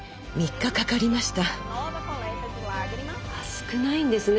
少ないんですね